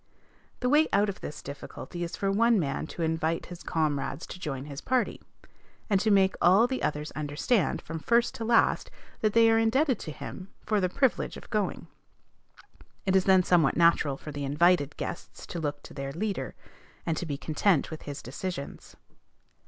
The way out of this difficulty is for one man to invite his comrades to join his party, and to make all the others understand, from first to last, that they are indebted to him for the privilege of going. It is then somewhat natural for the invited guests to look to their leader, and to be content with his decisions.